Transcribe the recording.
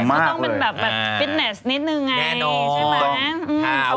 ก็ต้องเป็นแบบฟิตเนสนิดนึงไงใช่ไหม